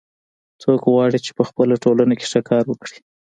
څوک غواړي چې په خپل ټولنه کې ښه کار وکړي